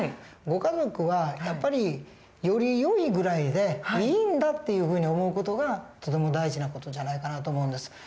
ご家族はやっぱりよりよいぐらいでいいんだっていうふうに思う事がとても大事な事じゃないかなと思うんです。